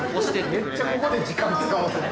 めっちゃここで時間使わせる。